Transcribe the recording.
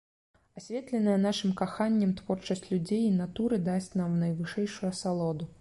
Асветленая нашым каханнем творчасць людзей і натуры дасць нам найвышэйшую асалоду.